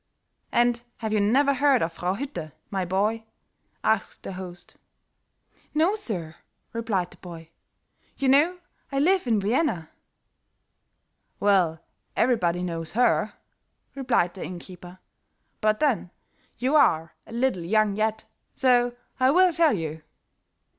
"And have you never heard of Frau Hütte, my boy?" asked the host. "No, sir," replied the boy. "You know I live in Vienna." "Well, everybody knows her," replied the inn keeper; "but then, you are a little young yet, so I will tell you."